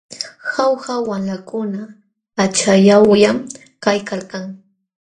Jauja wamlakuna achallawllam kaykalkan.